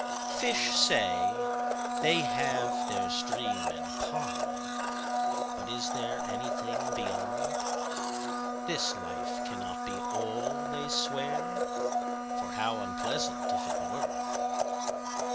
5Fish say, they have their Stream and Pond;6But is there anything Beyond?7This life cannot be All, they swear,8For how unpleasant, if it were!